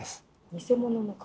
偽物の鍵？